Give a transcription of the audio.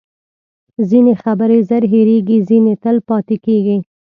ځینې خبرې زر هیرېږي، ځینې تل پاتې کېږي.